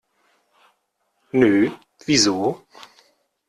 Nö, wieso?